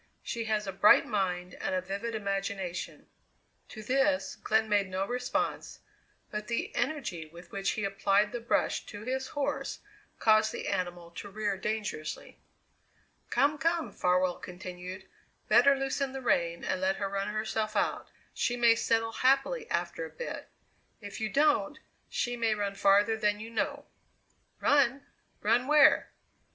She has a bright mind and a vivid imagination." To this Glenn made no response, but the energy with which he applied the brush to his horse caused the animal to rear dangerously. "Come, come," Farwell continued; "better loosen the rein and let her run herself out she may settle happily after a bit. If you don't, she may run farther than you know." "Run? Run where?"